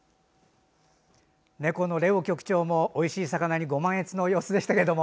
猫のレオ局長もおいしい魚にご満悦の様子でしたけれども。